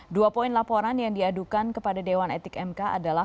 dua poin laporan yang diadukan kepada dewan etik mk adalah